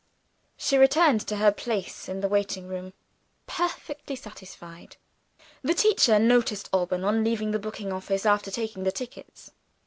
_" She returned to her place in the waiting room, perfectly satisfied. The teacher noticed Alban, on leaving the booking office after taking the tickets.